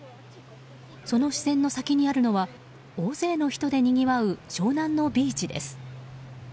その視線の先にあるのは大勢の人でにぎわう湘南のビーチです。